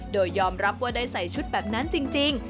โดยยอมรับว่าได้ใส่ชุดแบบนั้นจริง